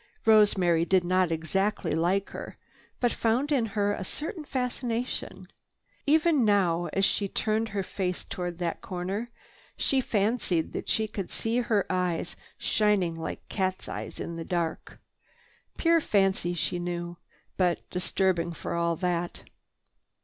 Rosemary did not exactly like her, but found in her a certain fascination. Even now, as she turned her face toward that corner, she fancied that she could see her eyes shining like a cat's eyes in the dark. Pure fancy, she knew, but disturbing for all that.